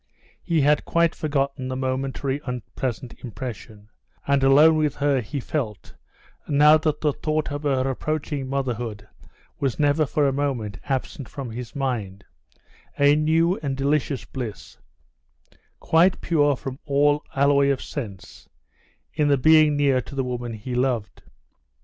He had quite forgotten the momentary unpleasant impression, and alone with her he felt, now that the thought of her approaching motherhood was never for a moment absent from his mind, a new and delicious bliss, quite pure from all alloy of sense, in the being near to the woman he loved.